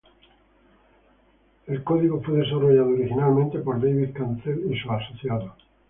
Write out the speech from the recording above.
El código fue desarrollado originalmente por David Cancel y asociados.